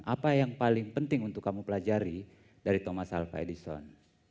apa yang paling penting untuk kamu pelajari dari thomas alva edison